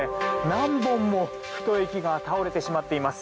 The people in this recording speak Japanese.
何本も太い木が倒れてしまっています。